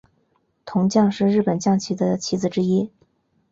铜将是日本将棋的棋子之一。